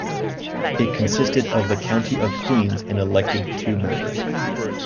It consisted of the County of Queen's and elected two members.